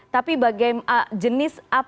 tapi bagaimana jenis